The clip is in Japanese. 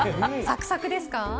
サクサクですか？